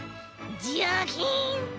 ジャキン！